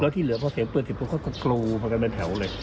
แล้วที่เหลือเพราะเสียงปืนเสียงปืนก็กลูมากันเป็นแถวเลย